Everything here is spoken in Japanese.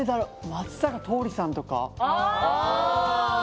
松坂桃李さんとか。